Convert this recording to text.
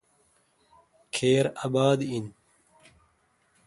کھیر اباد این۔